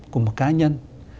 của một cá nhân